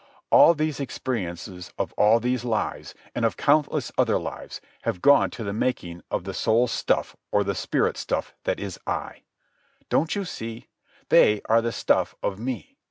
All these experiences of all these lives, and of countless other lives, have gone to the making of the soul stuff or the spirit stuff that is I. Don't you see? They are the stuff of me.